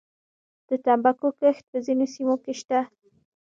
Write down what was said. د تنباکو کښت په ځینو سیمو کې شته